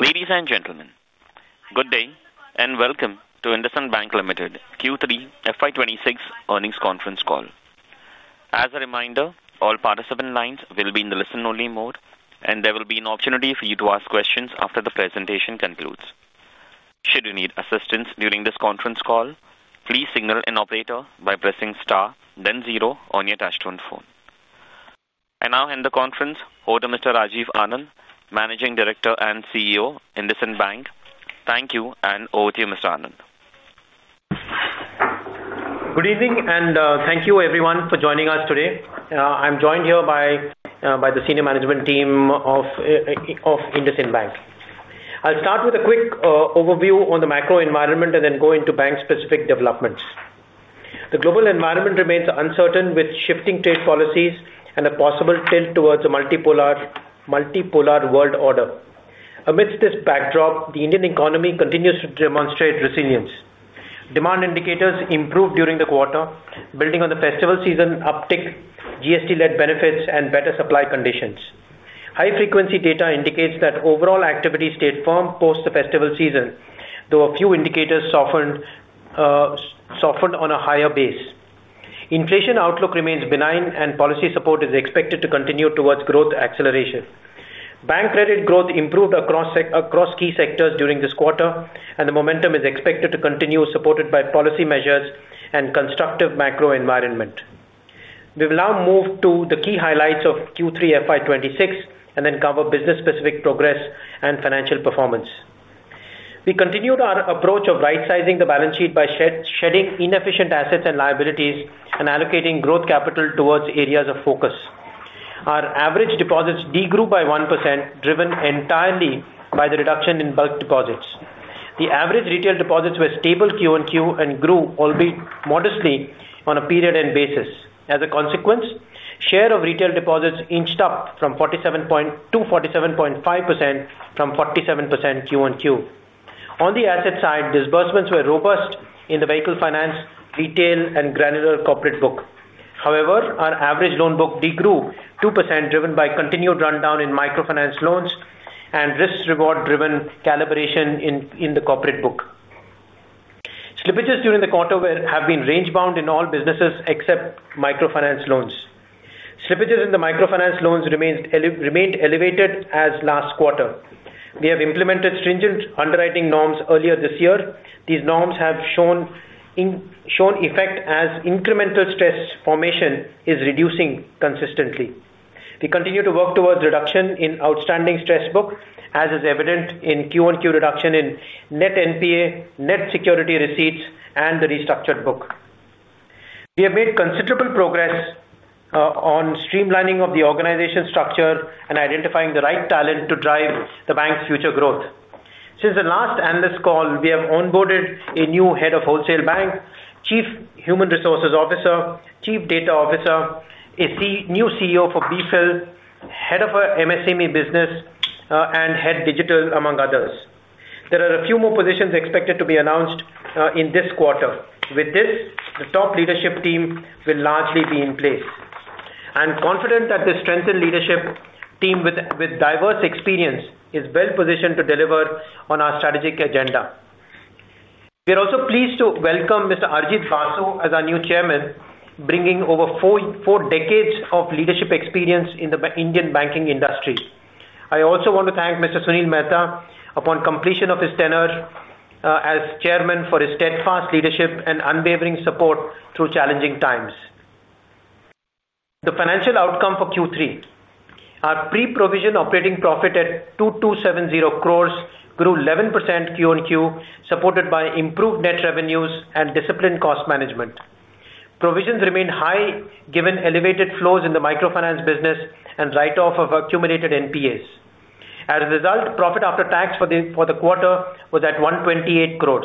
Ladies and gentlemen, good day and welcome to IndusInd Bank Limited Q3 FY26 earnings conference call. As a reminder, all participant lines will be in the listen-only mode, and there will be an opportunity for you to ask questions after the presentation concludes. Should you need assistance during this conference call, please signal an operator by pressing star, then zero on your touch-tone phone. And now, in the conference, over to Mr. Rajiv Anand, Managing Director and CEO, IndusInd Bank. Thank you, and over to you, Mr. Anand. Good evening, and thank you, everyone, for joining us today. I'm joined here by the senior management team of IndusInd Bank. I'll start with a quick overview on the macro environment and then go into bank-specific developments. The global environment remains uncertain with shifting trade policies and a possible tilt towards a multipolar world order. Amidst this backdrop, the Indian economy continues to demonstrate resilience. Demand indicators improved during the quarter, building on the festival season uptick, GST-led benefits, and better supply conditions. High-frequency data indicates that overall activity stayed firm post the festival season, though a few indicators softened on a higher base. Inflation outlook remains benign, and policy support is expected to continue towards growth acceleration. Bank credit growth improved across key sectors during this quarter, and the momentum is expected to continue, supported by policy measures and constructive macro environment. We will now move to the key highlights of Q3 FY26 and then cover business-specific progress and financial performance. We continued our approach of right-sizing the balance sheet by shedding inefficient assets and liabilities and allocating growth capital towards areas of focus. Our average deposits degrew by 1%, driven entirely by the reduction in bulk deposits. The average retail deposits were stable Q1Q and grew, albeit modestly, on a period-end basis. As a consequence, share of retail deposits inched up from 47.2% to 47.5% from 47% Q1Q. On the asset side, disbursements were robust in the vehicle finance, retail, and granular corporate book. However, our average loan book degrew 2%, driven by continued rundown in microfinance loans and risk-reward-driven calibration in the corporate book. Slippages during the quarter have been range-bound in all businesses except microfinance loans. Slippages in the microfinance loans remained elevated as last quarter. We have implemented stringent underwriting norms earlier this year. These norms have shown effect as incremental stress formation is reducing consistently. We continue to work towards reduction in outstanding stress book, as is evident in QoQ reduction in net NPA, net security receipts, and the restructured book. We have made considerable progress on streamlining of the organization structure and identifying the right talent to drive the bank's future growth. Since the last analyst call, we have onboarded a new Head of Wholesale Banking, Chief Human Resources Officer, Chief Data Officer, a new CEO for Beefill, Head of MSME Business, and Head of Digital, among others. There are a few more positions expected to be announced in this quarter. With this, the top leadership team will largely be in place. I'm confident that this strengthened leadership team with diverse experience is well-positioned to deliver on our strategic agenda. We are also pleased to welcome Mr. Arijit Basu as our new chairman, bringing over four decades of leadership experience in the Indian banking industry. I also want to thank Mr. Sunil Mehta upon completion of his tenure as chairman for his steadfast leadership and unwavering support through challenging times. The financial outcome for Q3: our pre-provision operating profit at 2,270 crore grew 11% Q1Q, supported by improved net revenues and disciplined cost management. Provisions remain high given elevated flows in the microfinance business and write-off of accumulated NPAs. As a result, profit after tax for the quarter was at 128 crore.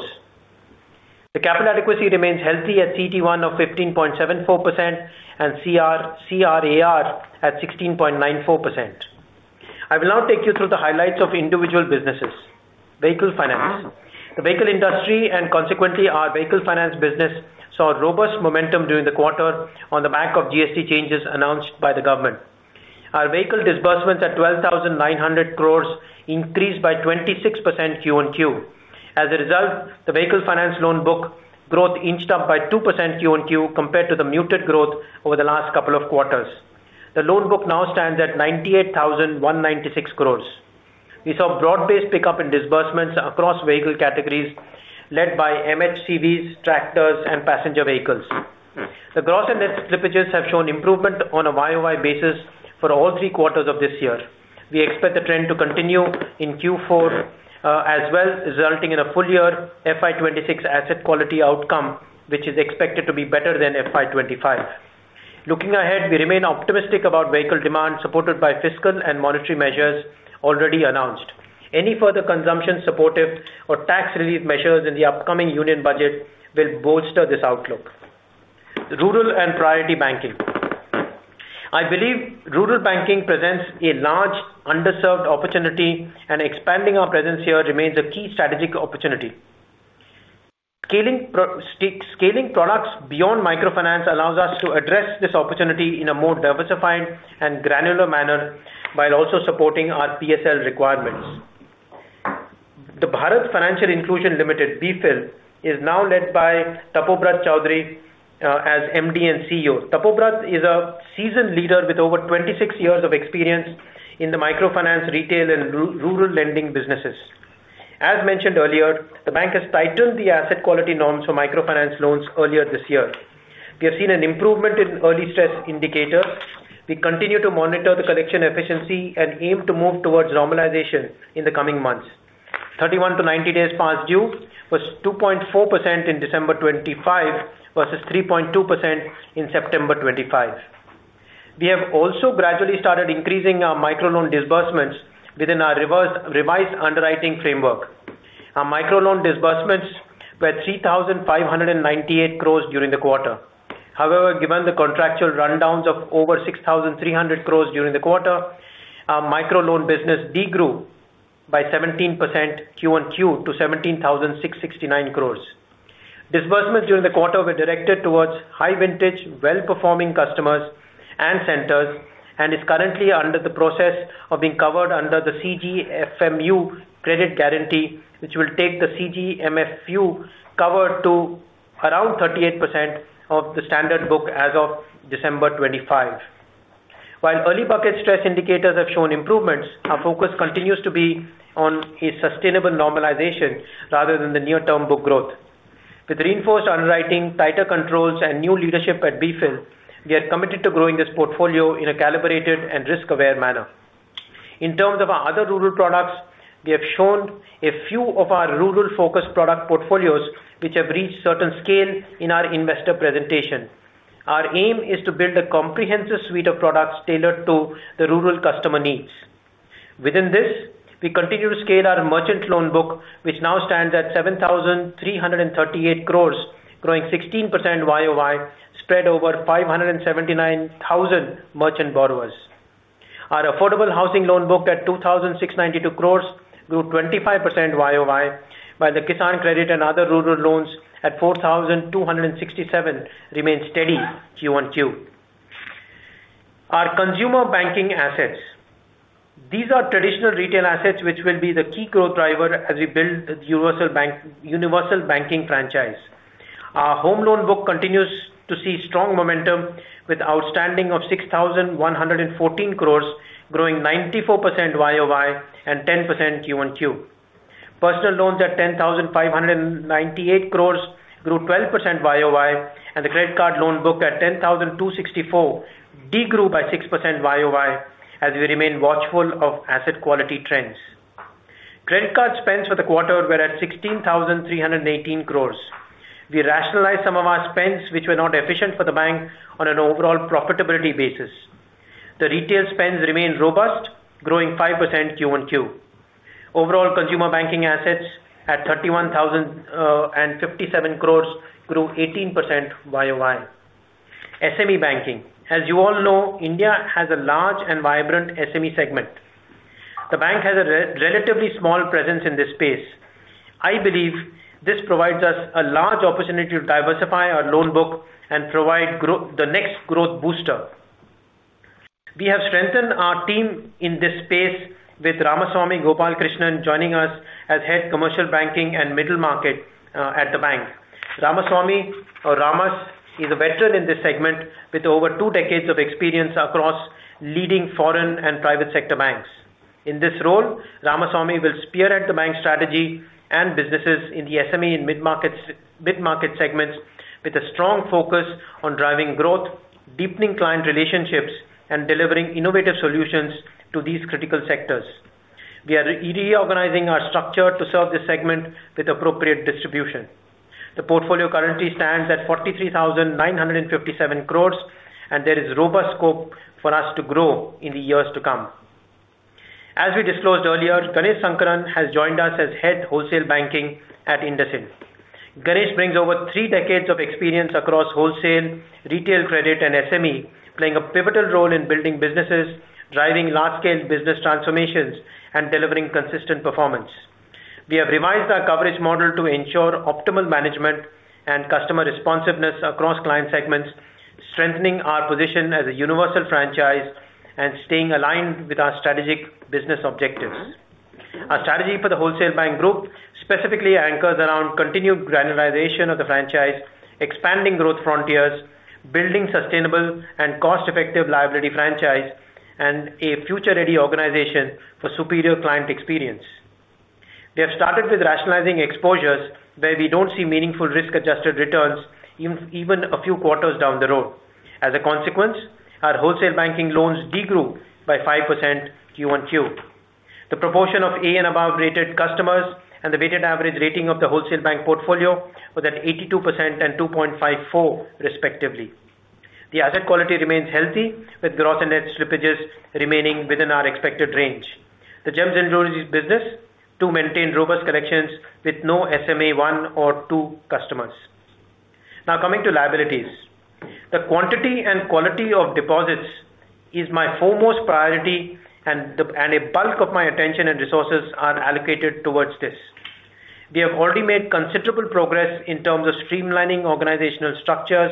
The capital adequacy remains healthy at CT1 of 15.74% and CRAR at 16.94%. I will now take you through the highlights of individual businesses: vehicle finance. The vehicle industry and consequently our vehicle finance business saw robust momentum during the quarter on the back of GST changes announced by the government. Our vehicle disbursements at 12,900 crores increased by 26% QoQ. As a result, the vehicle finance loan book growth inched up by 2% QoQ compared to the muted growth over the last couple of quarters. The loan book now stands at 98,196 crores. We saw broad-based pickup in disbursements across vehicle categories led by MHCVs, tractors, and passenger vehicles. The gross and net slippages have shown improvement on a YoY basis for all three quarters of this year. We expect the trend to continue in Q4 as well, resulting in a full-year FY 2026 asset quality outcome, which is expected to be better than FY 2025. Looking ahead, we remain optimistic about vehicle demand supported by fiscal and monetary measures already announced. Any further consumption-supportive or tax relief measures in the upcoming union budget will bolster this outlook. Rural and priority banking: I believe rural banking presents a large underserved opportunity, and expanding our presence here remains a key strategic opportunity. Scaling products beyond microfinance allows us to address this opportunity in a more diversified and granular manner while also supporting our PSL requirements. The Bharat Financial Inclusion Limited, Beefill, is now led by Tapobrat Chaudhuri as MD and CEO. Tapobrat is a seasoned leader with over 26 years of experience in the microfinance, retail, and rural lending businesses. As mentioned earlier, the bank has tightened the asset quality norms for microfinance loans earlier this year. We have seen an improvement in early stress indicators. We continue to monitor the collection efficiency and aim to move towards normalization in the coming months. 31 to 90 days past due was 2.4% in December 2025 versus 3.2% in September 2025. We have also gradually started increasing our microloan disbursements within our revised underwriting framework. Our microloan disbursements were 3,598 crore during the quarter. However, given the contractual rundowns of over 6,300 crore during the quarter, our microloan business degrew by 17% Q1Q to 17,669 crore. Disbursements during the quarter were directed towards high-vintage, well-performing customers and centers and is currently under the process of being covered under the CGFMU credit guarantee, which will take the CGFMU cover to around 38% of the standard book as of December 2025. While early bucket stress indicators have shown improvements, our focus continues to be on a sustainable normalization rather than the near-term book growth. With reinforced underwriting, tighter controls, and new leadership at Beefill, we are committed to growing this portfolio in a calibrated and risk-aware manner. In terms of our other rural products, we have shown a few of our rural-focused product portfolios, which have reached certain scale in our investor presentation. Our aim is to build a comprehensive suite of products tailored to the rural customer needs. Within this, we continue to scale our merchant loan book, which now stands at 7,338 crore, growing 16% YOY, spread over 579,000 merchant borrowers. Our affordable housing loan book at 2,692 crore grew 25% YOY, while the Kisan Credit and other rural loans at 4,267 crore remain steady Q1Q. Our consumer banking assets: these are traditional retail assets which will be the key growth driver as we build the universal banking franchise. Our home loan book continues to see strong momentum with outstanding of 6,114 crore, growing 94% YOY and 10% Q1Q. Personal loans at 10,598 crores grew 12% YOY, and the credit card loan book at 10,264 degrew by 6% YOY as we remain watchful of asset quality trends. Credit card spends for the quarter were at 16,318 crores. We rationalized some of our spends, which were not efficient for the bank, on an overall profitability basis. The retail spends remain robust, growing 5% Q1Q. Overall consumer banking assets at 31,057 crores grew 18% YOY. SME banking: as you all know, India has a large and vibrant SME segment. The bank has a relatively small presence in this space. I believe this provides us a large opportunity to diversify our loan book and provide the next growth booster. We have strengthened our team in this space with Ramaswamy Gopalakrishnan joining us as head commercial banking and middle market at the bank. Ramaswamy or Ramas is a veteran in this segment with over two decades of experience across leading foreign and private sector banks. In this role, Ramaswamy will spearhead the bank's strategy and businesses in the SME and mid-market segments with a strong focus on driving growth, deepening client relationships, and delivering innovative solutions to these critical sectors. We are reorganizing our structure to serve this segment with appropriate distribution. The portfolio currently stands at 43,957 crore, and there is robust scope for us to grow in the years to come. As we disclosed earlier, Ganesh Sankaran has joined us as head wholesale banking at IndusInd. Ganesh brings over three decades of experience across wholesale, retail credit, and SME, playing a pivotal role in building businesses, driving large-scale business transformations, and delivering consistent performance. We have revised our coverage model to ensure optimal management and customer responsiveness across client segments, strengthening our position as a universal franchise and staying aligned with our strategic business objectives. Our strategy for the wholesale bank group specifically anchors around continued granularization of the franchise, expanding growth frontiers, building sustainable and cost-effective liability franchise, and a future-ready organization for superior client experience. We have started with rationalizing exposures where we don't see meaningful risk-adjusted returns even a few quarters down the road. As a consequence, our wholesale banking loans degrew by 5% Q1Q. The proportion of A and above-rated customers and the weighted average rating of the wholesale bank portfolio was at 82% and 2.54%, respectively. The asset quality remains healthy, with gross and net slippages remaining within our expected range. The gems and jewelry business to maintain robust collections with no SMA 1 or 2 customers. Now coming to liabilities, the quantity and quality of deposits is my foremost priority, and a bulk of my attention and resources are allocated towards this. We have already made considerable progress in terms of streamlining organizational structures,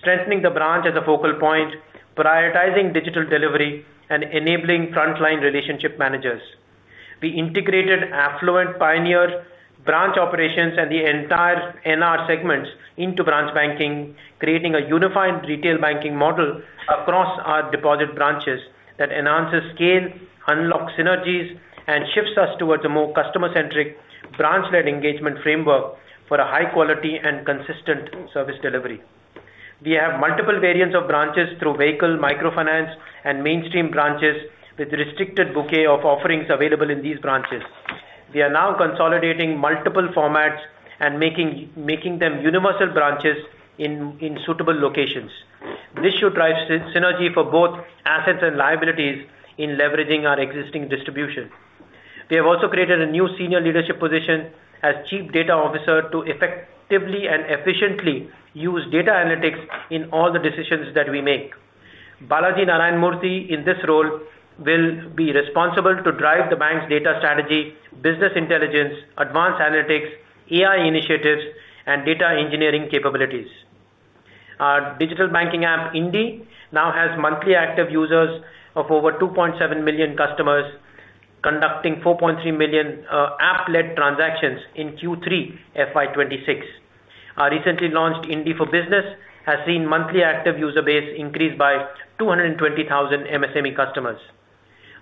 strengthening the branch as a focal point, prioritizing digital delivery, and enabling frontline relationship managers. We integrated Affluent Pioneer branch operations and the entire NR segments into branch banking, creating a unified retail banking model across our deposit branches that enhances scale, unlocks synergies, and shifts us towards a more customer-centric branch-led engagement framework for a high-quality and consistent service delivery. We have multiple variants of branches through vehicle microfinance and mainstream branches with a restricted bouquet of offerings available in these branches. We are now consolidating multiple formats and making them universal branches in suitable locations. This should drive synergy for both assets and liabilities in leveraging our existing distribution. We have also created a new senior leadership position as Chief Data Officer to effectively and efficiently use data analytics in all the decisions that we make. Balaji Narayanamurthy, in this role, will be responsible to drive the bank's data strategy, business intelligence, advanced analytics, AI initiatives, and data engineering capabilities. Our digital banking app, Indie, now has monthly active users of over 2.7 million customers, conducting 4.3 million app-led transactions in Q3 FY26. Our recently launched Indie for Business has seen monthly active user base increase by 220,000 MSME customers.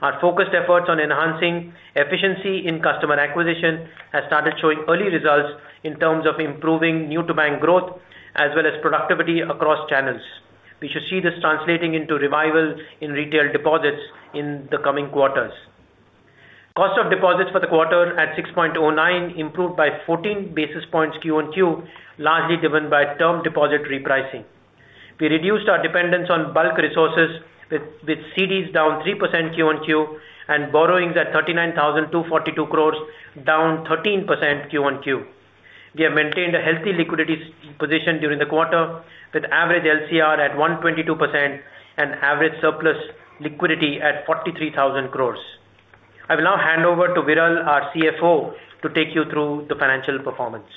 Our focused efforts on enhancing efficiency in customer acquisition have started showing early results in terms of improving new-to-bank growth as well as productivity across channels. We should see this translating into revival in retail deposits in the coming quarters. Cost of deposits for the quarter at 6.09 improved by 14 basis points Q1Q, largely driven by term deposit repricing. We reduced our dependence on bulk resources with CDs down 3% Q1Q and borrowings at 39,242 crore, down 13% Q1Q. We have maintained a healthy liquidity position during the quarter with average LCR at 122% and average surplus liquidity at 43,000 crore. I will now hand over to Viral, our CFO, to take you through the financial performance.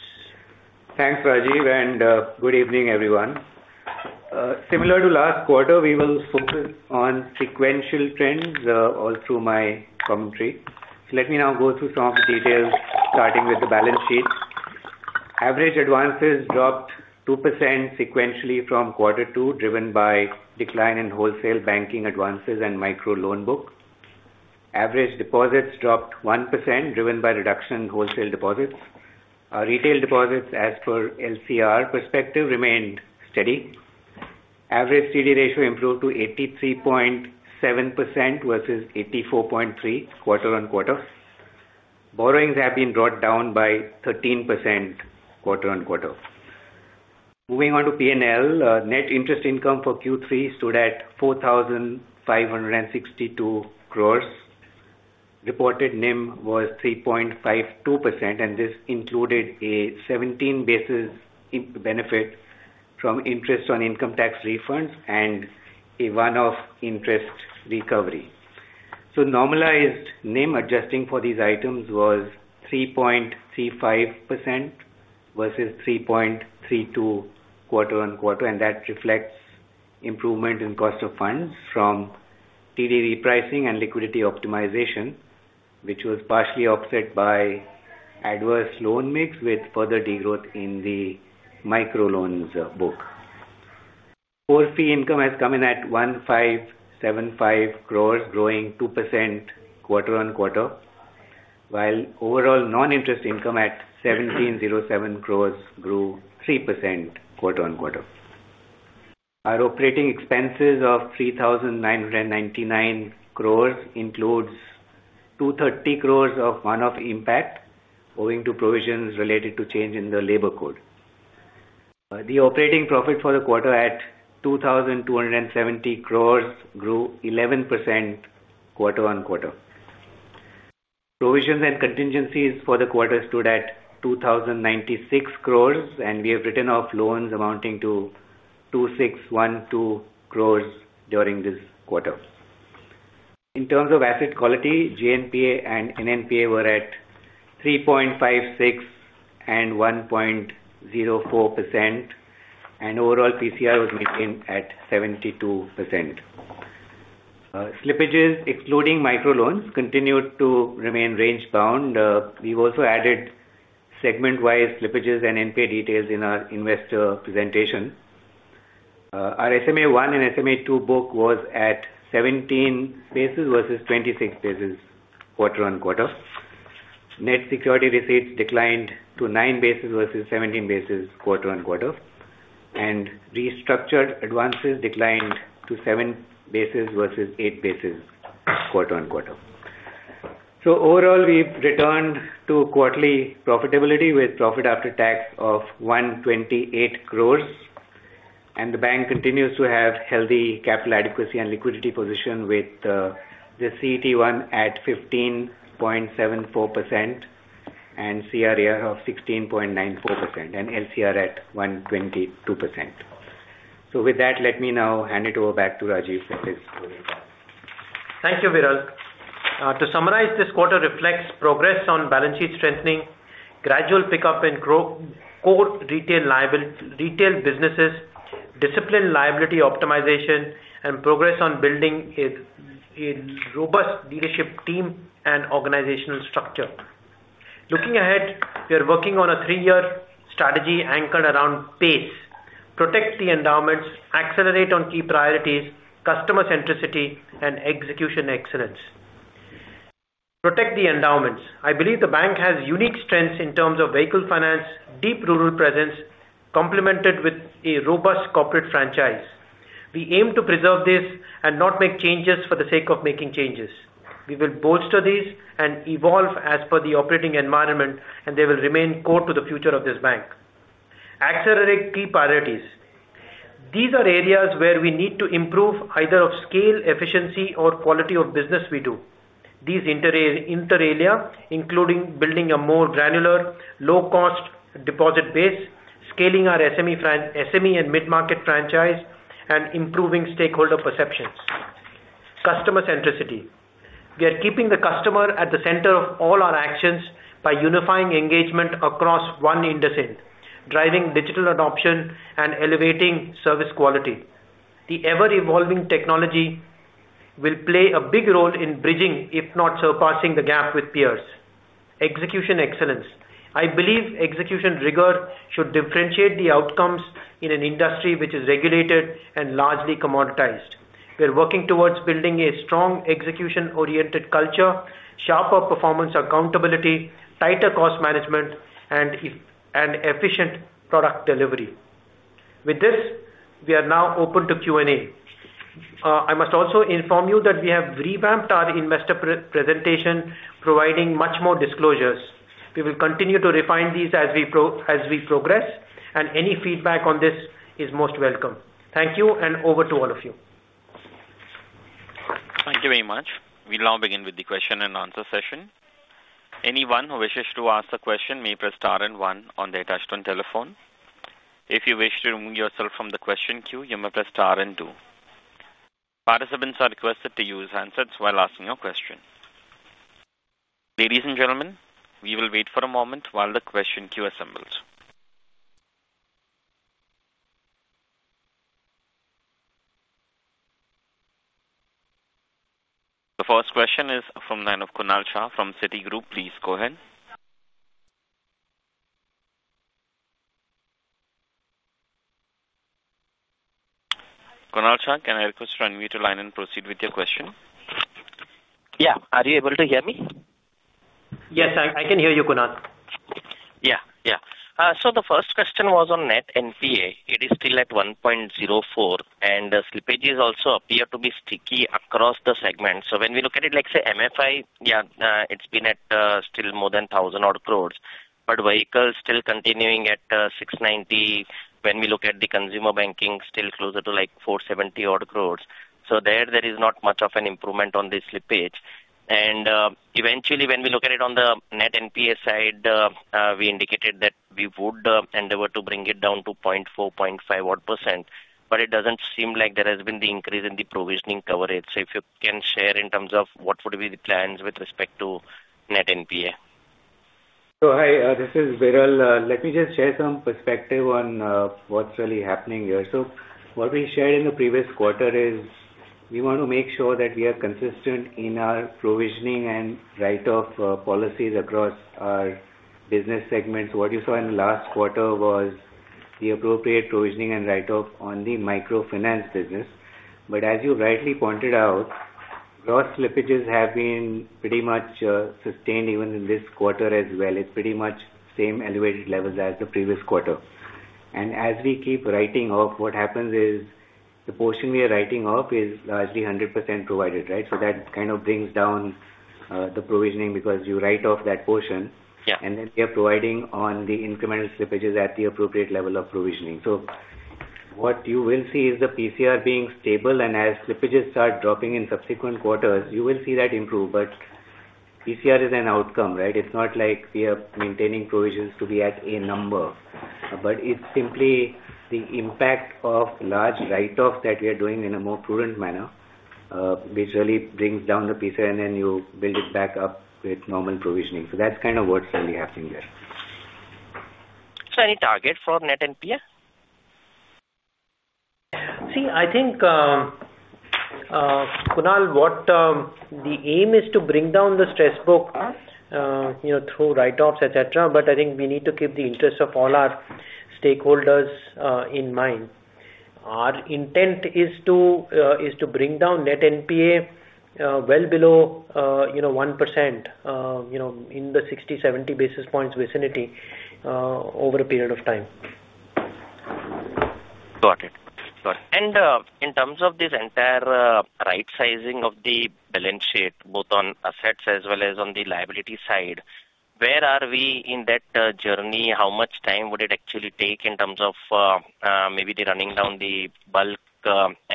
Thanks, Rajiv, and good evening, everyone. Similar to last quarter, we will focus on sequential trends all through my commentary. Let me now go through some of the details, starting with the balance sheet. Average advances dropped 2% sequentially from quarter two, driven by decline in wholesale banking advances and micro loan book. Average deposits dropped 1%, driven by reduction in wholesale deposits. Our retail deposits, as per LCR perspective, remained steady. Average CD ratio improved to 83.7% versus 84.3% quarter-on-quarter. Borrowings have been brought down by 13% quarter-on-quarter. Moving on to P&L, net interest income for Q3 stood at 4,562 crores. Reported NIM was 3.52%, and this included a 17 basis benefit from interest on income tax refunds and a one-off interest recovery. So normalized NIM adjusting for these items was 3.35% versus 3.32% quarter-on-quarter, and that reflects improvement in cost of funds from TD repricing and liquidity optimization, which was partially offset by adverse loan mix with further degrowth in the microloans book. Core fee income has come in at 1,575 crores, growing 2% quarter-on-quarter, while overall non-interest income at 1,707 crores grew 3% quarter-on-quarter. Our operating expenses of 3,999 crores include 230 crores of one-off impact owing to provisions related to change in the labor code. The operating profit for the quarter at 2,270 crores grew 11% quarter-on-quarter. Provisions and contingencies for the quarter stood at 2,096 crores, and we have written off loans amounting to 2,612 crores during this quarter. In terms of asset quality, GNPA and NNPA were at 3.56% and 1.04%, and overall PCR was maintained at 72%. Slippages, excluding microloans, continued to remain range-bound. We also added segment-wise slippages and NPA details in our investor presentation. Our SMA 1 and SMA 2 book was at 17 basis versus 26 basis quarter-on-quarter. Net security receipts declined to 9 basis versus 17 basis quarter-on-quarter, and restructured advances declined to 7 basis versus 8 basis quarter-on-quarter. So overall, we've returned to quarterly profitability with profit after tax of 128 crore, and the bank continues to have healthy capital adequacy and liquidity position with the CT1 at 15.74% and CRAR of 16.94% and LCR at 122%. So with that, let me now hand it over back to Rajiv for his closing thoughts. Thank you, Viral. To summarize, this quarter reflects progress on balance sheet strengthening, gradual pickup in core retail businesses, disciplined liability optimization, and progress on building a robust leadership team and organizational structure. Looking ahead, we are working on a three-year strategy anchored around PACE: protect the endowments, accelerate on key priorities, customer centricity, and execution excellence. Protect the endowments. I believe the bank has unique strengths in terms of vehicle finance, deep rural presence, complemented with a robust corporate franchise. We aim to preserve this and not make changes for the sake of making changes. We will bolster these and evolve as per the operating environment, and they will remain core to the future of this bank. Accelerate key priorities. These are areas where we need to improve either of scale, efficiency, or quality of business we do. These include areas, including building a more granular, low-cost deposit base, scaling our SME and mid-market franchise, and improving stakeholder perceptions. Customer centricity. We are keeping the customer at the center of all our actions by unifying engagement across one IndusInd, driving digital adoption and elevating service quality. The ever-evolving technology will play a big role in bridging, if not surpassing, the gap with peers. Execution excellence. I believe execution rigor should differentiate the outcomes in an industry which is regulated and largely commoditized. We are working towards building a strong execution-oriented culture, sharper performance accountability, tighter cost management, and efficient product delivery. With this, we are now open to Q&A. I must also inform you that we have revamped our investor presentation, providing much more disclosures. We will continue to refine these as we progress, and any feedback on this is most welcome. Thank you, and over to all of you. Thank you very much. We'll now begin with the question and answer session. Anyone who wishes to ask a question may press star and one on their touch-tone telephone. If you wish to remove yourself from the question queue, you may press star and two. Participants are requested to use handsets while asking your question. Ladies and gentlemen, we will wait for a moment while the question queue assembles. The first question is from the line of Kunal Shah from Citigroup. Please go ahead. Kunal Shah, can I request to unmute your line and proceed with your question? Yeah. Are you able to hear me? Yes, I can hear you, Kunal. Yeah, yeah. So the first question was on net NPA. It is still at 1.04%, and the slippages also appear to be sticky across the segment. So when we look at it, like say MFI, yeah, it's been at still more than 1,000 odd crores, but vehicle still continuing at 690 crores. When we look at the consumer banking, still closer to like 470 odd crores. So there, there is not much of an improvement on the slippage. And eventually, when we look at it on the net NPA side, we indicated that we would endeavor to bring it down to 0.45 odd percent, but it doesn't seem like there has been the increase in the provisioning coverage. So if you can share in terms of what would be the plans with respect to net NPA? So hi, this is Viral. Let me just share some perspective on what's really happening here. So what we shared in the previous quarter is we want to make sure that we are consistent in our provisioning and write-off policies across our business segments. What you saw in the last quarter was the appropriate provisioning and write-off on the microfinance business. But as you rightly pointed out, gross slippages have been pretty much sustained even in this quarter as well. It's pretty much same elevated levels as the previous quarter. And as we keep writing off, what happens is the portion we are writing off is largely 100% provided, right? So that kind of brings down the provisioning because you write off that portion. And then we are providing on the incremental slippages at the appropriate level of provisioning. So what you will see is the PCR being stable, and as slippages start dropping in subsequent quarters, you will see that improve. But PCR is an outcome, right? It's not like we are maintaining provisions to be at a number, but it's simply the impact of large write-offs that we are doing in a more prudent manner, which really brings down the PCR, and then you build it back up with normal provisioning. So that's kind of what's really happening here. So any target for net NPA? See, I think, Kunal, what the aim is to bring down the stress book through write-offs, etc., but I think we need to keep the interest of all our stakeholders in mind. Our intent is to bring down net NPA well below 1% in the 60-70 basis points vicinity over a period of time. Got it. Got it. And in terms of this entire right-sizing of the balance sheet, both on assets as well as on the liability side, where are we in that journey? How much time would it actually take in terms of maybe the running down the bulk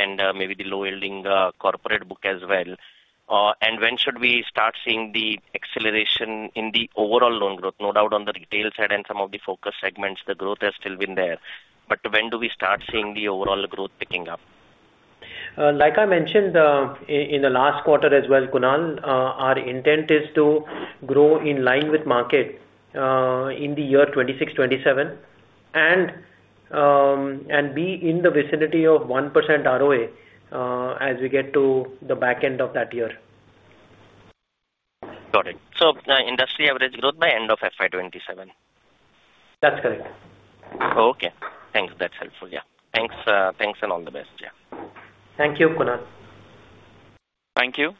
and maybe the low-yielding corporate book as well? And when should we start seeing the acceleration in the overall loan growth? No doubt on the retail side and some of the focus segments, the growth has still been there. But when do we start seeing the overall growth picking up? Like I mentioned in the last quarter as well, Kunal, our intent is to grow in line with market in the year 2026-27 and be in the vicinity of 1% ROA as we get to the back end of that year. Got it. So industry average growth by end of FY2027? That's correct. Okay. Thanks. That's helpful. Yeah. Thanks. Thanks and all the best. Yeah. Thank you, Kun al. Thank you.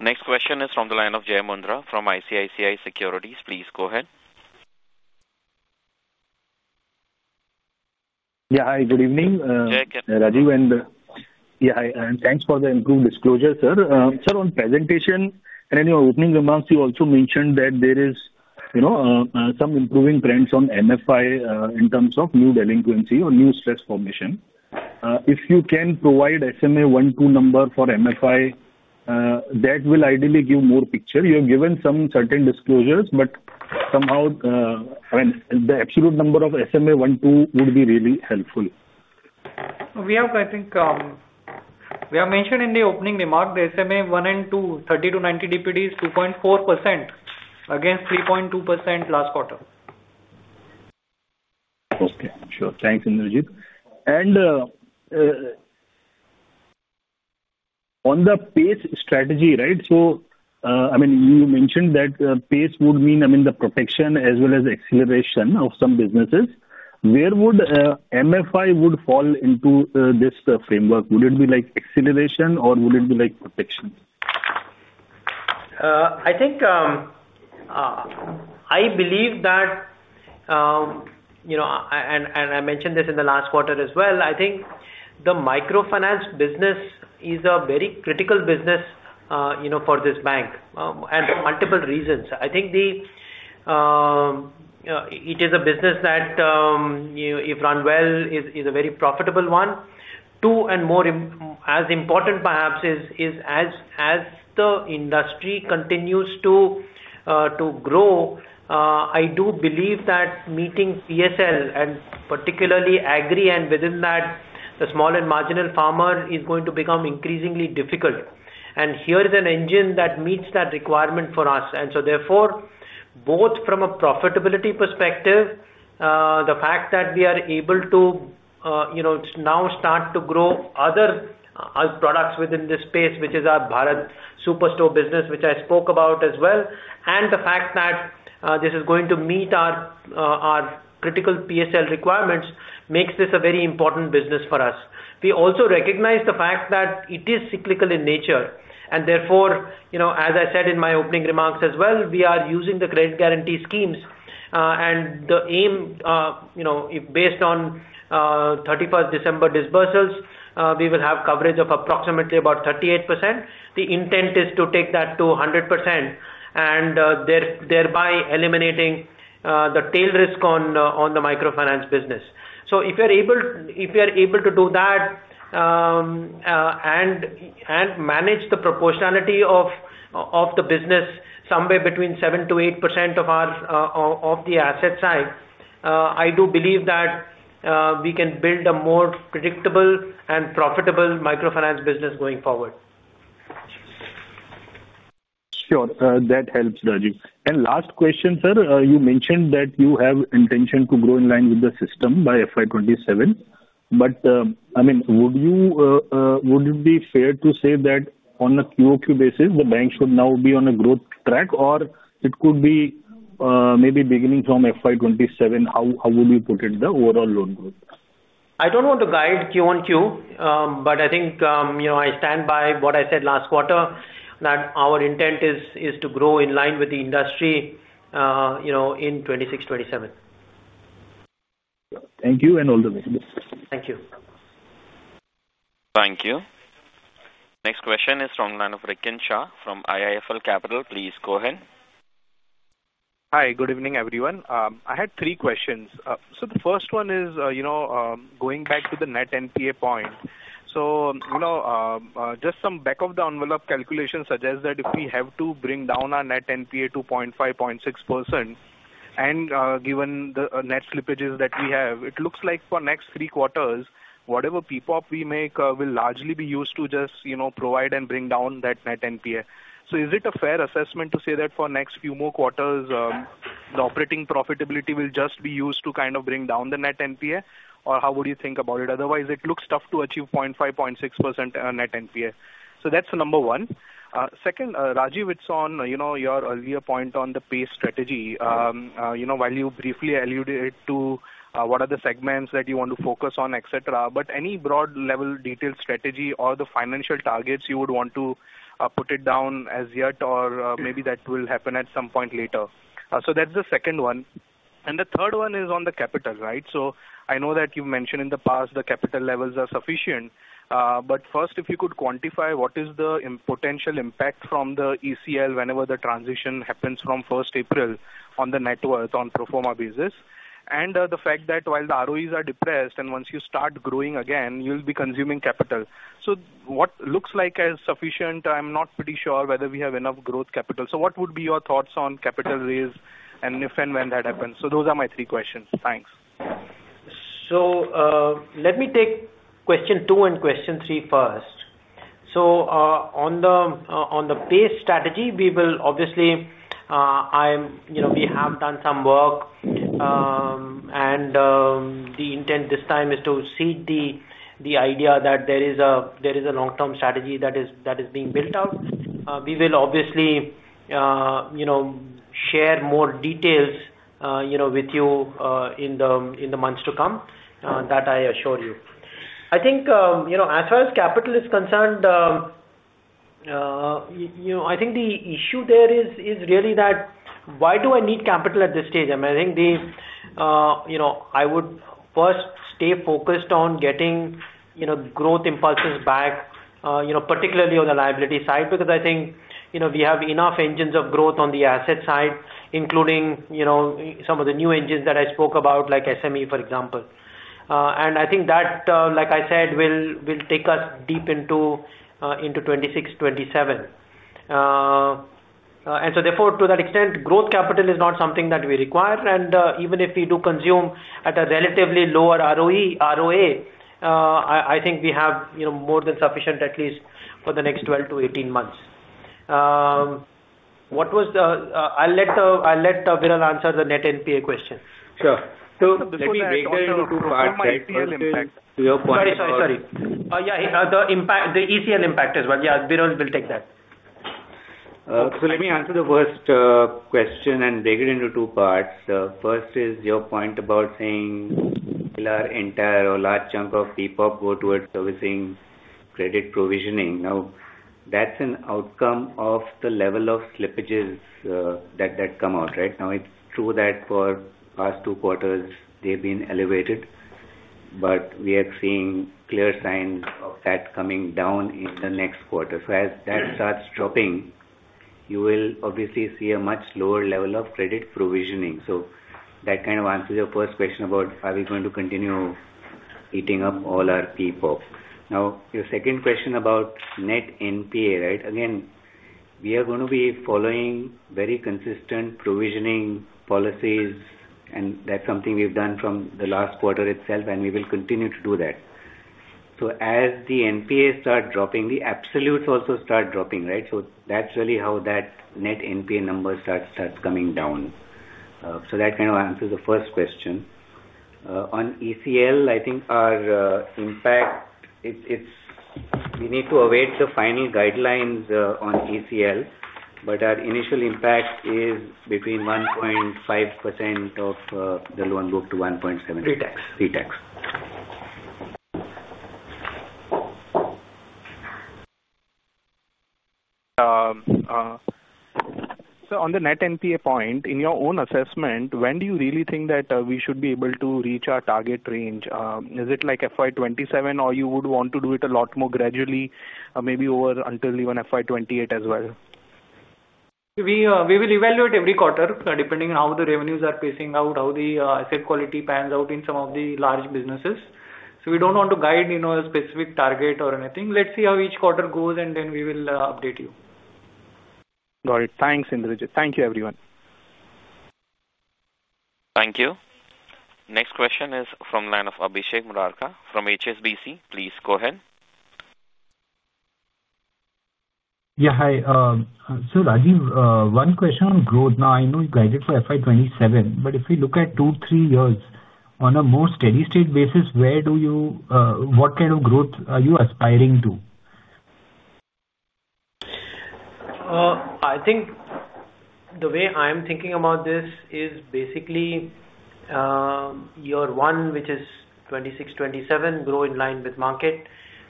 Next question is from the line of Jai Mundhra from ICICI Securities. Please go ahead. Yeah. Hi, good evening. Jayakarth Rajiv. And yeah, and thanks for the improved disclosure, sir. Sir, on presentation and in your opening remarks, you also mentioned that there is some improving trends on MFI in terms of new delinquency or new stress formation. If you can provide SMA 1-2 number for MFI, that will ideally give more picture. You have given some certain disclosures, but somehow the absolute number of SMA 1-2 would be really helpful. We have, I think we have mentioned in the opening remark, the SMA 1-2, 30-90 DPD is 2.4% against 3.2% last quarter. Okay. Sure. Thanks, Indrajit. On the PACE strategy, right? So I mean, you mentioned that PACE would mean, I mean, the protection as well as acceleration of some businesses. Where would MFI fall into this framework? Would it be like acceleration, or would it be like protection? I think I believe that, and I mentioned this in the last quarter as well, I think the microfinance business is a very critical business for this bank and for multiple reasons. I think it is a business that, if run well, is a very profitable one. Two, and more as important perhaps is, as the industry continues to grow, I do believe that meeting PSL, and particularly agri, and within that, the small and marginal farmer is going to become increasingly difficult. And here is an engine that meets that requirement for us. And so therefore, both from a profitability perspective, the fact that we are able to now start to grow other products within this space, which is our Bharat Super Shop business, which I spoke about as well, and the fact that this is going to meet our critical PSL requirements makes this a very important business for us. We also recognize the fact that it is cyclical in nature. And therefore, as I said in my opening remarks as well, we are using the credit guarantee schemes, and the aim, based on 31st December disbursals, we will have coverage of approximately about 38%. The intent is to take that to 100% and thereby eliminating the tail risk on the microfinance business. So if you're able to do that and manage the proportionality of the business somewhere between 7%-8% of the asset side, I do believe that we can build a more predictable and profitable microfinance business going forward. Sure. That helps, Rajiv. Last question, sir. You mentioned that you have intention to grow in line with the system by FY27. But I mean, would it be fair to say that on a QOQ basis, the bank should now be on a growth track, or it could be maybe beginning from FY27? How would you put it, the overall loan growth? I don't want to guide Q on Q, but I think I stand by what I said last quarter, that our intent is to grow in line with the industry in 26-27. Thank you and all the best. Thank you. Thank you. Next question is from Rikin Shah from IIFL Capital. Please go ahead. Hi, good evening, everyone. I had three questions. So the first one is going back to the net NPA point. So just some back-of-the-envelope calculation suggests that if we have to bring down our net NPA to 0.5%-0.6%, and given the net slippages that we have, it looks like for next three quarters, whatever PPOP we make will largely be used to just provide and bring down that net NPA. So is it a fair assessment to say that for next few more quarters, the operating profitability will just be used to kind of bring down the net NPA? Or how would you think about it? Otherwise, it looks tough to achieve 0.5%-0.6% net NPA. So that's number one. Second, Rajiv, it's on your earlier point on the PACE strategy. While you briefly alluded to what are the segments that you want to focus on, etc., but any broad-level detailed strategy or the financial targets you would want to put it down as yet, or maybe that will happen at some point later. So that's the second one. And the third one is on the capital, right? So I know that you've mentioned in the past the capital levels are sufficient. But first, if you could quantify what is the potential impact from the ECL whenever the transition happens from 1st April on the net worth on pro forma basis, and the fact that while the ROEs are depressed and once you start growing again, you'll be consuming capital. So what looks like as sufficient, I'm not pretty sure whether we have enough growth capital. So what would be your thoughts on capital raise and if and when that happens? So those are my three questions. Thanks. So let me take question two and question three first. So on the PACE strategy, we will obviously have done some work, and the intent this time is to seed the idea that there is a long-term strategy that is being built out. We will obviously share more details with you in the months to come, that I assure you. I think as far as capital is concerned, I think the issue there is really that why do I need capital at this stage? I mean, I think I would first stay focused on getting growth impulses back, particularly on the liability side, because I think we have enough engines of growth on the asset side, including some of the new engines that I spoke about, like SME, for example. And I think that, like I said, will take us deep into 2026-2027. And so therefore, to that extent, growth capital is not something that we require. And even if we do consume at a relatively lower ROE, I think we have more than sufficient, at least for the next 12 to 18 months. What was the? I'll let Viral answer the net NPA question. Sure. [inaudible] Sorry, sorry. Yeah, the ECL impact as well. Yeah, Viral will take that. So let me answer the first question and break it into two parts. First is your point about saying entire or large chunk of PPOP go towards servicing credit provisioning. Now, that's an outcome of the level of slippages that come out, right? Now, it's true that for the past two quarters, they've been elevated, but we are seeing clear signs of that coming down in the next quarter. So as that starts dropping, you will obviously see a much lower level of credit provisioning. So that kind of answers your first question about are we going to continue eating up all our PPOP? Now, your second question about net NPA, right? Again, we are going to be following very consistent provisioning policies, and that's something we've done from the last quarter itself, and we will continue to do that. So as the NPA starts dropping, the absolutes also start dropping, right? So that's really how that net NPA number starts coming down. So that kind of answers the first question. On ECL, I think our impact, we need to await the final guidelines on ECL, but our initial impact is between 1.5%-1.7% of the loan book. Pretax. Pretax. So on the net NPA point, in your own assessment, when do you really think that we should be able to reach our target range? Is it like FY27, or you would want to do it a lot more gradually, maybe over until even FY28 as well? We will evaluate every quarter, depending on how the revenues are pacing out, how the asset quality pans out in some of the large businesses. So we don't want to guide a specific target or anything. Let's see how each quarter goes, and then we will update you. Got it. Thanks, Indrajit. Thank you, everyone. Thank you. Next question is from line now Abhishek Murarka from HSBC. Please go ahead. Yeah. Hi. So Rajiv, one question on growth. Now, I know you guided for FY27, but if we look at two, three years, on a more steady-state basis, what kind of growth are you aspiring to? I think the way I'm thinking about this is basically your one, which is 26-27, grow in line with market,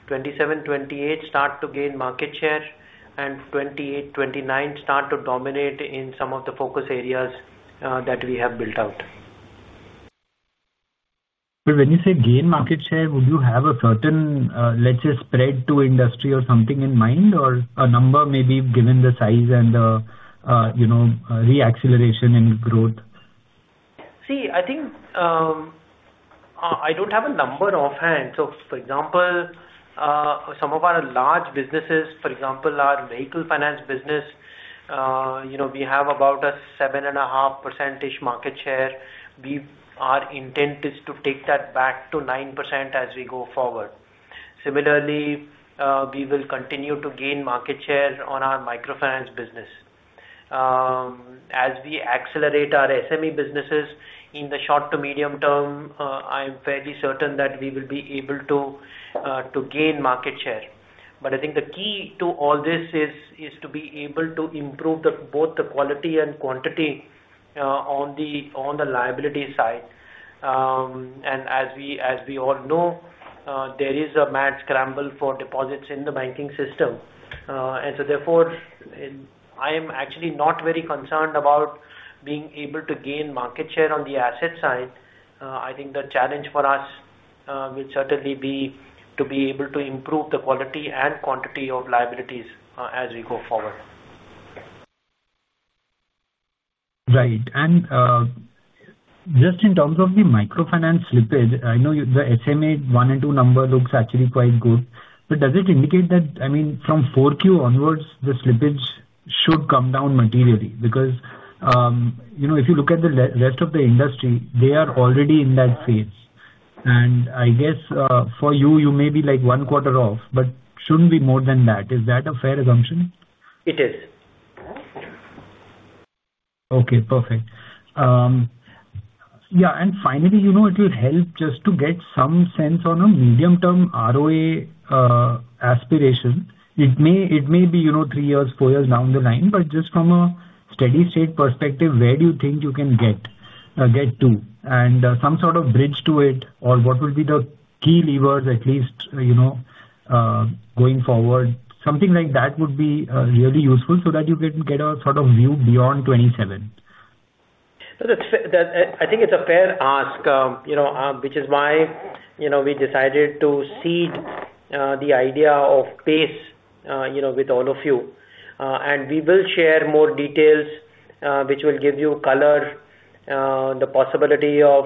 27-28, start to gain market share, and 28-29, start to dominate in some of the focus areas that we have built out. When you say gain market share, would you have a certain, let's say, spread to industry or something in mind, or a number maybe given the size and the re-acceleration in growth? See, I think I don't have a number offhand. For example, some of our large businesses, for example, our vehicle finance business, we have about a 7.5%-ish market share. Our intent is to take that back to 9% as we go forward. Similarly, we will continue to gain market share on our microfinance business. As we accelerate our SME businesses in the short to medium term, I'm fairly certain that we will be able to gain market share. But I think the key to all this is to be able to improve both the quality and quantity on the liability side. As we all know, there is a mad scramble for deposits in the banking system. So therefore, I am actually not very concerned about being able to gain market share on the asset side. I think the challenge for us will certainly be to be able to improve the quality and quantity of liabilities as we go forward. Right. And just in terms of the microfinance slippage, I know the SMA 1 and 2 number looks actually quite good. But does it indicate that, I mean, from 4Q onwards, the slippage should come down materially? Because if you look at the rest of the industry, they are already in that phase. And I guess for you, you may be like 1 quarter off, but shouldn't be more than that. Is that a fair assumption? It is. Okay. Perfect. Yeah. And finally, it will help just to get some sense on a medium-term ROE aspiration. It may be three years, four years down the line, but just from a steady-state perspective, where do you think you can get to? And some sort of bridge to it, or what would be the key levers, at least going forward? Something like that would be really useful so that you can get a sort of view beyond 27. I think it's a fair ask, which is why we decided to seed the idea of PACE with all of you. And we will share more details, which will give you color, the possibility of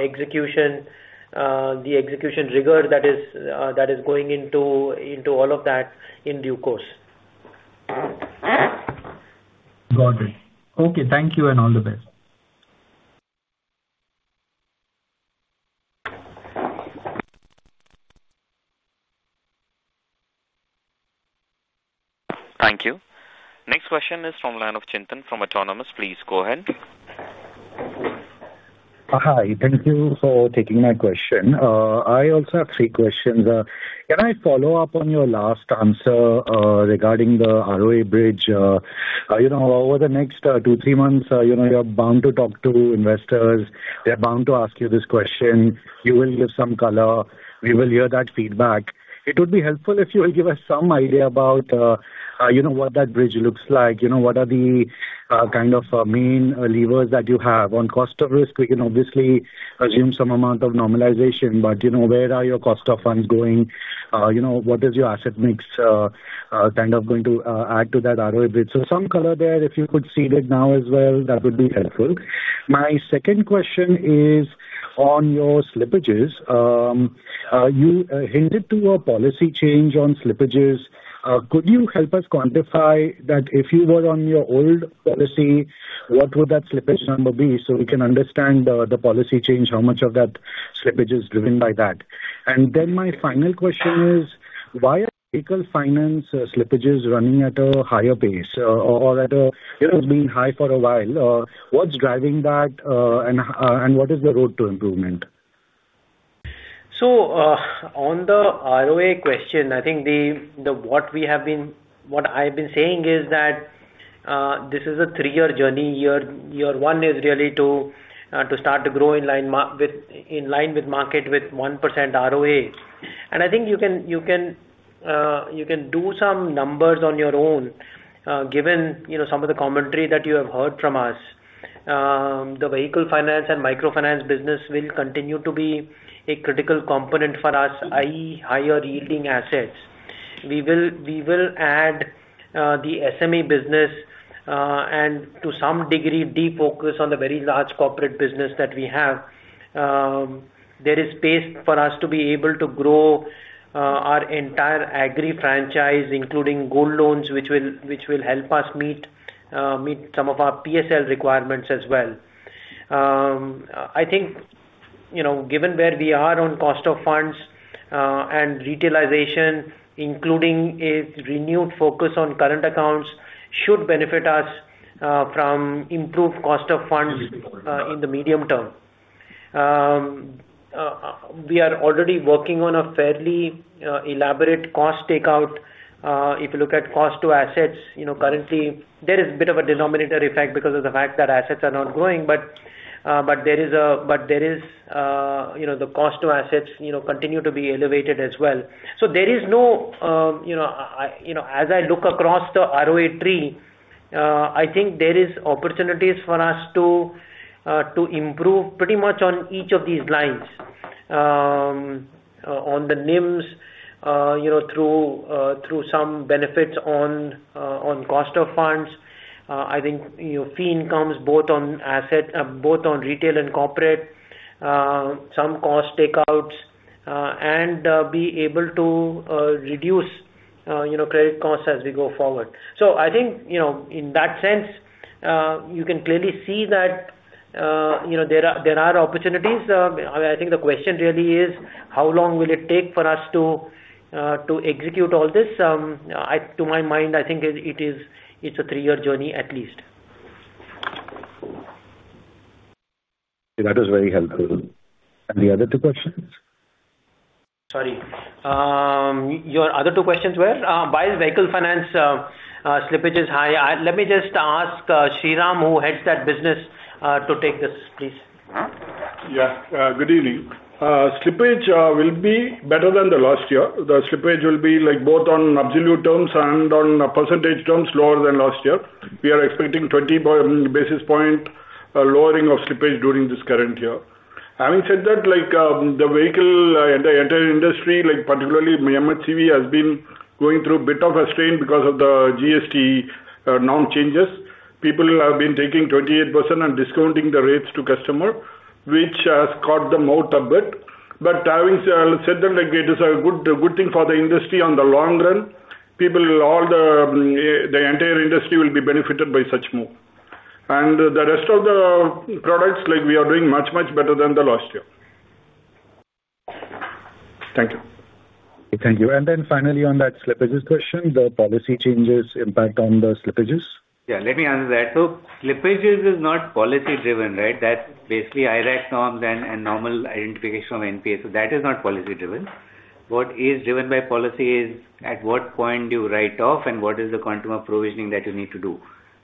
execution, the execution rigor that is going into all of that in due course. Got it. Okay. Thank you and all the best. Thank you. Next question is from Chintan Joshi from Autonomous Research. Please go ahead. Hi. Thank you for taking my question. I also have three questions. Can I follow up on your last answer regarding the ROE bridge? Over the next 2-3 months, you're bound to talk to investors. They're bound to ask you this question. You will give some color. We will hear that feedback. It would be helpful if you will give us some idea about what that bridge looks like. What are the kind of main levers that you have? On cost of risk, we can obviously assume some amount of normalization, but where are your cost of funds going? What is your asset mix kind of going to add to that ROE bridge? So some color there, if you could seed it now as well, that would be helpful. My second question is on your slippages. You hinted to a policy change on slippages. Could you help us quantify that? If you were on your old policy, what would that slippage number be? So we can understand the policy change, how much of that slippage is driven by that. And then my final question is, why are vehicle finance slippages running at a higher pace or being high for a while? What's driving that, and what is the road to improvement? So on the ROE question, I think what I have been saying is that this is a three-year journey. Year one is really to start to grow in line with market with 1% ROE. And I think you can do some numbers on your own. Given some of the commentary that you have heard from us, the vehicle finance and microfinance business will continue to be a critical component for us, i.e., higher-yielding assets. We will add the SME business and, to some degree, de-focus on the very large corporate business that we have. There is space for us to be able to grow our entire agri-franchise, including gold loans, which will help us meet some of our PSL requirements as well. I think, given where we are on cost of funds and retailization, including a renewed focus on current accounts, should benefit us from improved cost of funds in the medium term. We are already working on a fairly elaborate cost takeout. If you look at cost to assets, currently, there is a bit of a denominator effect because of the fact that assets are not growing, but there is the cost to assets continue to be elevated as well. So there is no as I look across the ROE tree, I think there are opportunities for us to improve pretty much on each of these lines, on the NIMS, through some benefits on cost of funds. I think fee incomes both on retail and corporate, some cost takeouts, and be able to reduce credit costs as we go forward. So I think, in that sense, you can clearly see that there are opportunities. I think the question really is, how long will it take for us to execute all this? To my mind, I think it's a three-year journey at least. That was very helpful. And the other two questions? Sorry. Your other two questions where? While vehicle finance slippage is high, let me just ask Sriram, who heads that business, to take this, please. Yes. Good evening. Slippage will be better than the last year. The slippage will be both on absolute terms and on percentage terms lower than last year. We are expecting 20 basis points lowering of slippage during this current year. Having said that, the entire vehicle industry, particularly MHCV, has been going through a bit of a strain because of the GST now changes. People have been taking 28% and discounting the rates to customer, which has caught them out a bit. But having said that, it is a good thing for the industry in the long run. People, all the entire industry, will be benefited by such move. And the rest of the products, we are doing much, much better than the last year. Thank you. Thank you. And then finally, on that slippages question, the policy changes impact on the slippages? Yeah. Let me answer that. So slippages is not policy-driven, right? That's basically IRAC norms and normal identification of NPA. So that is not policy-driven. What is driven by policy is at what point do you write off, and what is the quantum of provisioning that you need to do?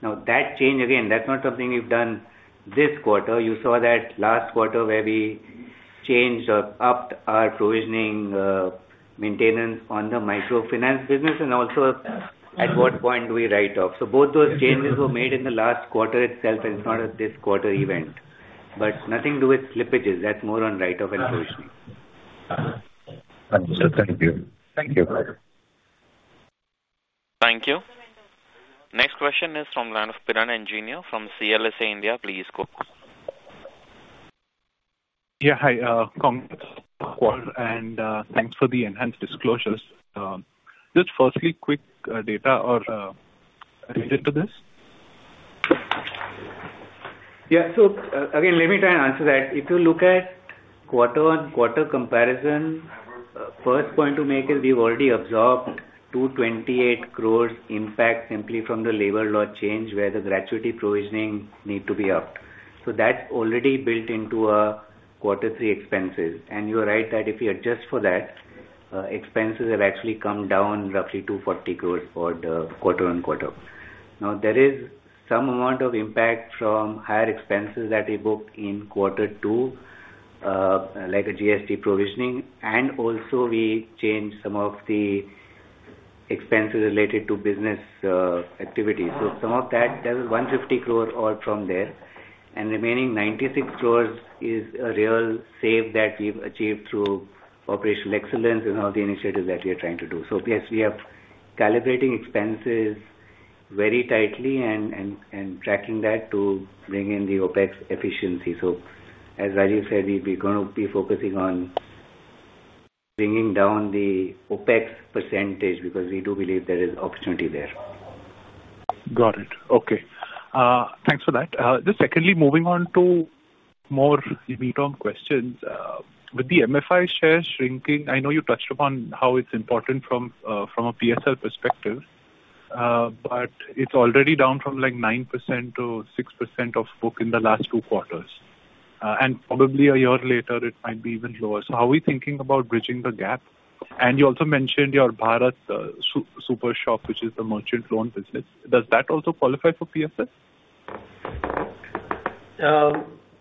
Now, that change, again, that's not something we've done this quarter. You saw that last quarter where we changed or upped our provisioning maintenance on the microfinance business, and also at what point do we write off. So both those changes were made in the last quarter itself, and it's not a this quarter event. But nothing to do with slippages. That's more on write-off and provisioning. Thank you. Thank you. Thank you. Next question is from Piran Engineer from CLSA India. Please go. Yeah. Hi. And thanks for the enhanced disclosures. Just firstly, quick data or related to this? Yeah. So again, let me try and answer that. If you look at quarter-on-quarter comparison, first point to make is we've already absorbed 228 crore impact simply from the labor law change where the gratuity provisioning need to be upped. So that's already built into our quarter three expenses. You're right that if you adjust for that, expenses have actually come down roughly 240 crore for the quarter-on-quarter. Now, there is some amount of impact from higher expenses that we booked in quarter two, like a GST provisioning, and also we changed some of the expenses related to business activity. So some of that, that was 150 crore all from there. Remaining 96 crore is a real save that we've achieved through operational excellence and all the initiatives that we are trying to do. So yes, we are calibrating expenses very tightly and tracking that to bring in the OpEx efficiency. So as Rajiv said, we're going to be focusing on bringing down the OpEx percentage because we do believe there is opportunity there. Got it. Okay. Thanks for that. Just secondly, moving on to more meaty questions. With the MFI share shrinking, I know you touched upon how it's important from a PSL perspective, but it's already down from like 9% to 6% of book in the last two quarters. And probably a year later, it might be even lower. So how are we thinking about bridging the gap? And you also mentioned your Bharat Super Shop, which is the merchant loan business. Does that also qualify for PSL?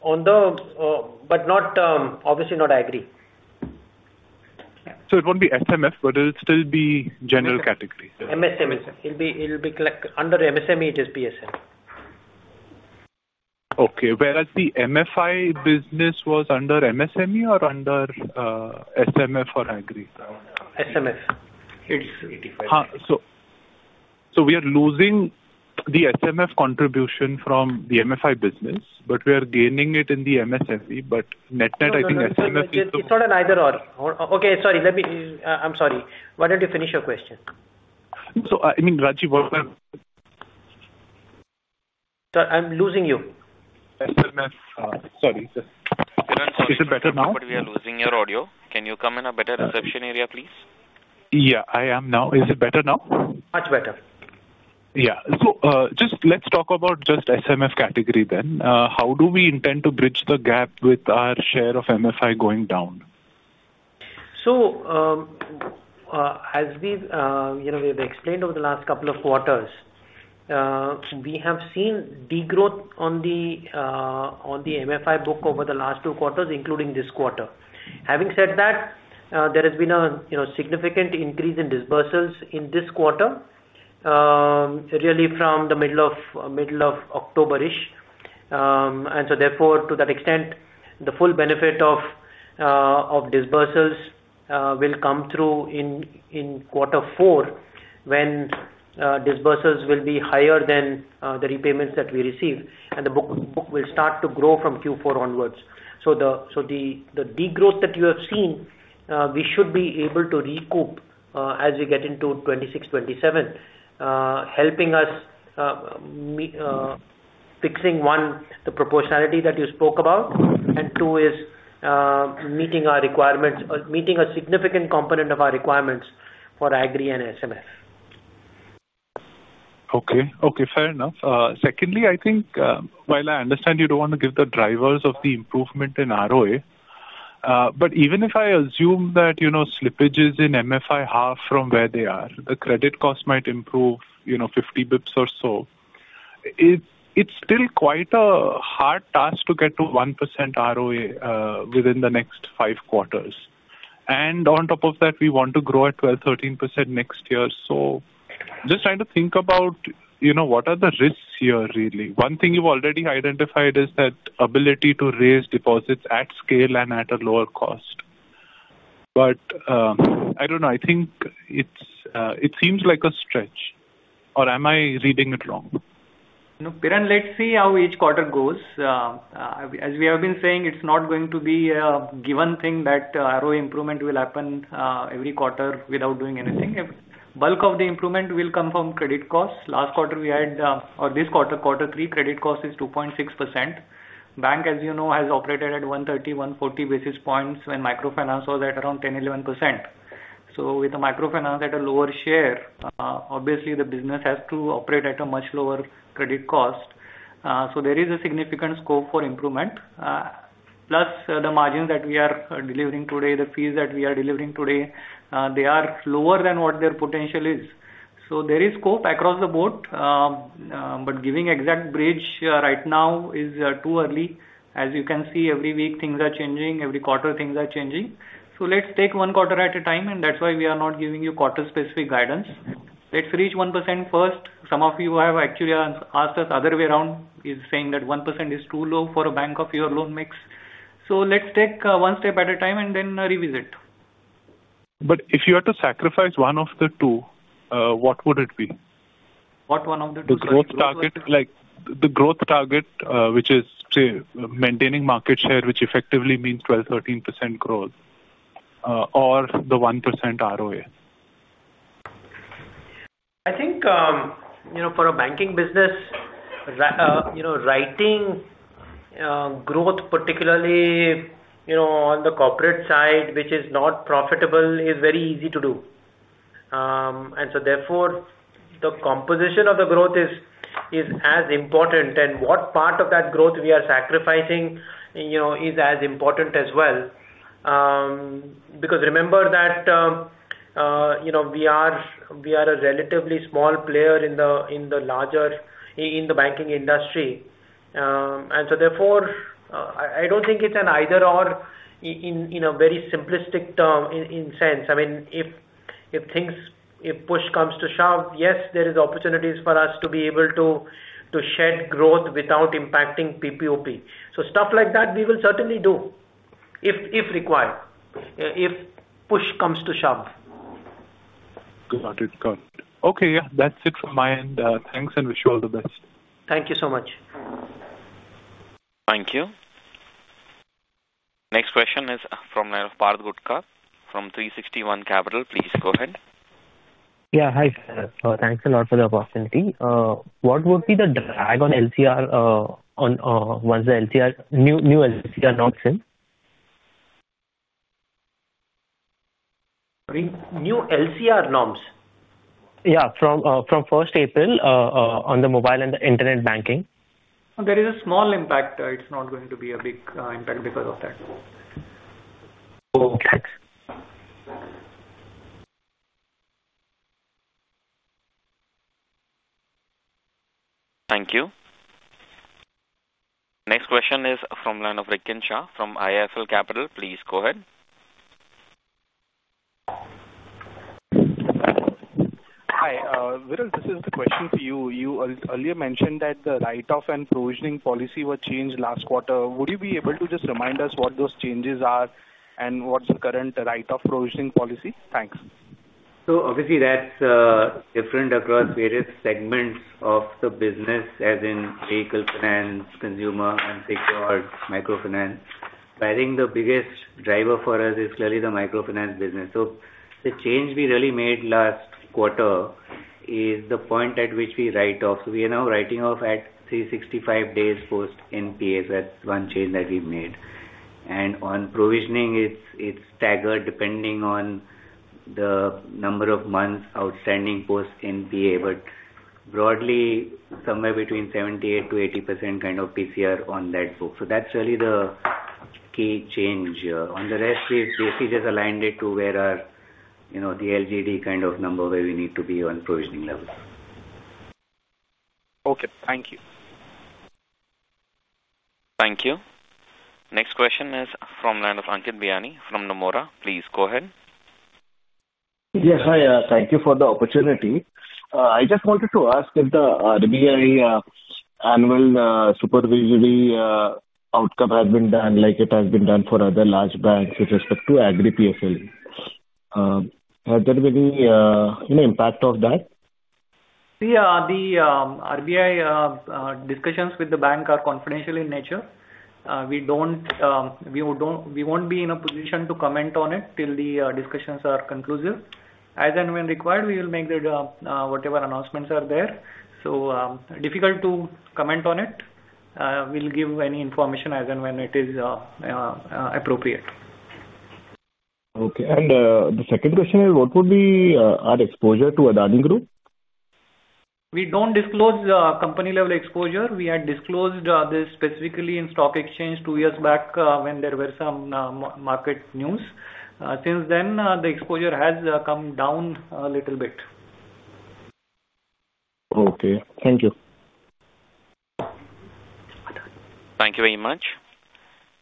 But obviously, not agri. So it won't be SMF, but it'll still be general category. MSME, it'll be under MSME, it is PSL. Okay. Whereas the MFI business was under MSME or under SMF or agri? SMF. It's 85. So we are losing the SMF contribution from the MFI business, but we are gaining it in the MSME. But net-net, I think SMF is the. It's not an either/or. Okay. Sorry. I'm sorry. Why don't you finish your question? So I mean, Rajiv, what was? I'm losing you. SMF. Sorry. Is it better now? We are losing your audio. Can you come in a better reception area, please? Yeah, I am now. Is it better now? Much better. Yeah. So let's talk about just SMF category then. How do we intend to bridge the gap with our share of MFI going down? So as we've explained over the last couple of quarters, we have seen degrowth on the MFI book over the last two quarters, including this quarter. Having said that, there has been a significant increase in disbursals in this quarter, really from the middle of October-ish. And so therefore, to that extent, the full benefit of disbursals will come through in quarter four when disbursals will be higher than the repayments that we receive, and the book will start to grow from Q4 onwards. So the degrowth that you have seen, we should be able to recoup as we get into 2026, 2027, helping us fixing, one, the proportionality that you spoke about, and two, is meeting a significant component of our requirements for agri and SMF. Okay. Okay. Fair enough. Secondly, I think, while I understand you don't want to give the drivers of the improvement in ROE, but even if I assume that slippage is in MFI half from where they are, the credit cost might improve 50 basis points or so, it's still quite a hard task to get to 1% ROE within the next five quarters. And on top of that, we want to grow at 12%-13% next year. So just trying to think about what are the risks here, really. One thing you've already identified is that ability to raise deposits at scale and at a lower cost. But I don't know. I think it seems like a stretch, or am I reading it wrong? No, Piran, let's see how each quarter goes. As we have been saying, it's not going to be a given thing that ROE improvement will happen every quarter without doing anything. Bulk of the improvement will come from credit costs. Last quarter we had, or this quarter, quarter three, credit cost is 2.6%. Bank, as you know, has operated at 130-140 basis points when microfinance was at around 10%-11%. So with the microfinance at a lower share, obviously, the business has to operate at a much lower credit cost. So there is a significant scope for improvement. Plus, the margin that we are delivering today, the fees that we are delivering today, they are lower than what their potential is. So there is scope across the board, but giving exact bridge right now is too early. As you can see, every week things are changing. Every quarter things are changing. So let's take one quarter at a time, and that's why we are not giving you quarter-specific guidance. Let's reach 1% first. Some of you have actually asked us other way around, saying that 1% is too low for a bank of your loan mix. So let's take one step at a time and then revisit. But if you had to sacrifice one of the two, what would it be? What one of the two? The growth target, which is maintaining market share, which effectively means 12%-13% growth, or the 1% ROE? I think for a banking business, writing growth, particularly on the corporate side, which is not profitable, is very easy to do. And so therefore, the composition of the growth is as important, and what part of that growth we are sacrificing is as important as well. Because remember that we are a relatively small player in the banking industry. And so therefore, I don't think it's an either/or in a very simplistic sense. I mean, if push comes to shove, yes, there are opportunities for us to be able to shed growth without impacting PPOP. So stuff like that, we will certainly do if required, if push comes to shove. Got it. Got it. Okay. Yeah. That's it from my end. Thanks, and wish you all the best. Thank you so much. Thank you. Next question is from Parth Gupta from 360 ONE WAM. Please go ahead. Yeah. Hi. So thanks a lot for the opportunity. What would be the drag on LCR once the new LCR norms in? Sorry? New LCR norms? Yeah. From 1st April on the mobile and the internet banking. There is a small impact. It's not going to be a big impact because of that. Thanks. Thank you. Next question is from Rikin Shah from IIFL Capital. Please go ahead. Hi. Viral, this is the question for you. You earlier mentioned that the write-off and provisioning policy were changed last quarter. Would you be able to just remind us what those changes are and what's the current write-off provisioning policy? Thanks. So obviously, that's different across various segments of the business, as in vehicle finance, consumer, unsecured, microfinance. But I think the biggest driver for us is clearly the microfinance business. So the change we really made last quarter is the point at which we write off. So we are now writing off at 365 days post NPA. So that's one change that we made. And on provisioning, it's staggered depending on the number of months outstanding post NPA. But broadly, somewhere between 78%-80% kind of PCR on that book. So that's really the key change. On the rest, we've basically just aligned it to where the LGD kind of number where we need to be on provisioning level. Okay. Thank you. Thank you. Next question is from Ankit Biyani from Nomura. Please go ahead. Yes. Hi. Thank you for the opportunity. I just wanted to ask if the RBI annual supervisory outcome has been done like it has been done for other large banks with respect to agri PSL. Has there been any impact of that? Yeah. The RBI discussions with the bank are confidential in nature. We won't be in a position to comment on it till the discussions are conclusive. As and when required, we will make whatever announcements are there. So difficult to comment on it. We'll give any information as and when it is appropriate. Okay. And the second question is, what would be our exposure to Adani Group? We don't disclose company-level exposure. We had disclosed this specifically in stock exchange two years back when there were some market news. Since then, the exposure has come down a little bit. Okay. Thank you. Thank you very much.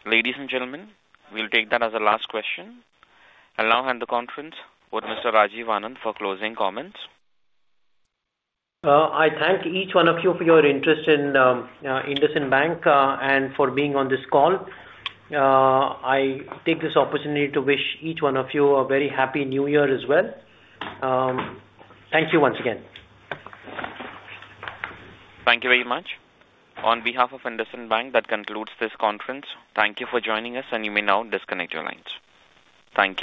Ladies and gentlemen, we'll take that as a last question. I'll now hand the conference over to Mr. Rajiv Anand for closing comments. I thank each one of you for your interest in IndusInd Bank and for being on this call. I take this opportunity to wish each one of you a very happy New Year as well. Thank you once again. Thank you very much. On behalf of IndusInd Bank, that concludes this conference. Thank you for joining us, and you may now disconnect your lines. Thank you.